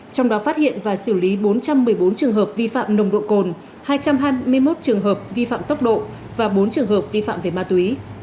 trong đó phát hiện và xử lý bốn trăm một mươi bốn trường hợp vi phạm nồng độ cồn hai trăm hai mươi một trường hợp vi phạm tốc độ và bốn trường hợp vi phạm về ma túy